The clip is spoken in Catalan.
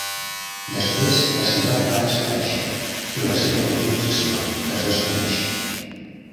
Després la ciutat va desaparèixer i la seva localització es desconeix.